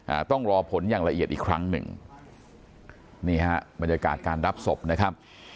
อ่าต้องรอผลอย่างละเอียดอีกครั้งหนึ่งนี่ฮะบรรยากาศการรับศพนะครับ